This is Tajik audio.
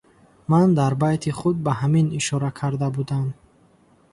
Ман дар байти худ ба ҳамин ишора карда будам.